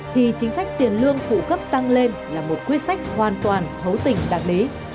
thì chính sách tiền lương phụ cấp tăng lên là một quyết sách hoàn toàn thấu tình đạt lý